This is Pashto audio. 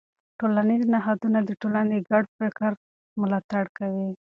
ټولنیز نهادونه د ټولنې د ګډ فکر ملاتړ کوي.